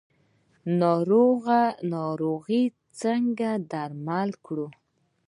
ناروغي څنګه درمل کړو؟